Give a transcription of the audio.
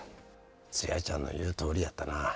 ツヤちゃんの言うとおりやったな。